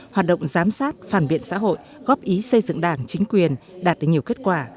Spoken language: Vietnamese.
hoạt động giám sát phản biện xã hội góp ý xây dựng đảng chính quyền đạt được nhiều kết quả